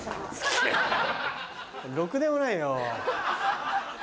ろくでもないなぁ。